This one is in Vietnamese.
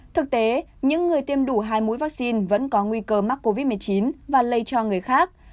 thực tế những người tiêm đủ hai mũi vaccine vẫn có nguy cơ mắc covid một mươi chín và lây cho người khác